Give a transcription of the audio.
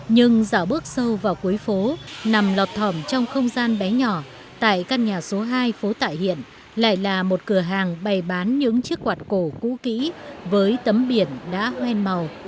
nhưng dạo bước sâu vào cuối phố nằm lọt thỏm trong không gian bé nhỏ tại căn nhà số hai phố tại hiện lại là một cửa hàng bày bán những chiếc quạt cổ cũ kỹ với tấm biển đã hoen màu